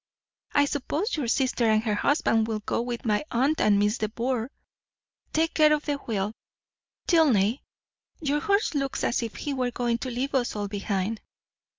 I suppose your sister and her husband will go with my aunt and Miss de Bourgh. Take care of the wheel. Tilney, your horse looks as if he were going to leave us all behind.